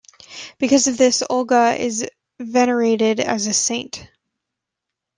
Because of this, Olga is venerated as a saint.